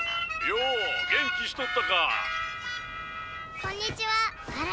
「よお元気しとったか」